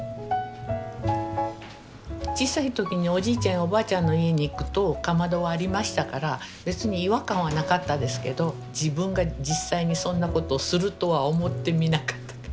小さい時におじいちゃんやおばあちゃんの家に行くとかまどはありましたから別に違和感はなかったですけど自分が実際にそんなことをするとは思ってみなかったと。